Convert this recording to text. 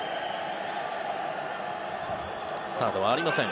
スタートはありません。